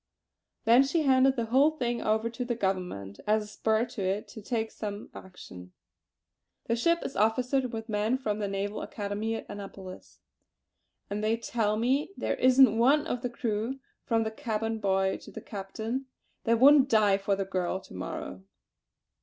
Then she handed the whole thing over to the Government as a spur to it to take some action. The ship is officered with men from the Naval Academy at Annapolis; and they tell me there isn't one of the crew from the cabin boy to the captain that wouldn't die for the girl to morrow."